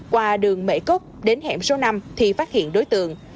qua đường mệ cốc đến hẻm số năm thì phát hiện đối tượng